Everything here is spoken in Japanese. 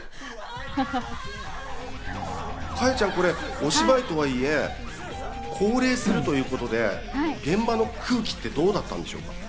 清果ちゃん、これお芝居とはいえ、降霊するということで、現場の空気ってどうだったんでしょう？